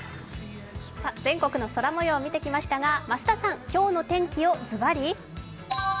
全国の空もよう見てきましたが、増田さん、今日の気温、ずばり？